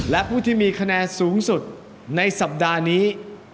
และผู้ที่มีคะแนนสูงสุดในสัปดาห์นี้